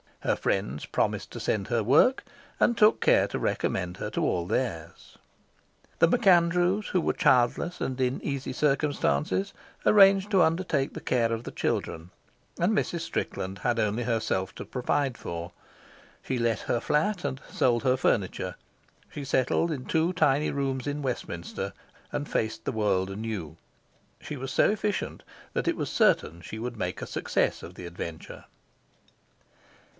Her friends promised to send her work, and took care to recommend her to all theirs. The MacAndrews, who were childless and in easy circumstances, arranged to undertake the care of the children, and Mrs. Strickland had only herself to provide for. She let her flat and sold her furniture. She settled in two tiny rooms in Westminster, and faced the world anew. She was so efficient that it was certain she would make a success of the adventure.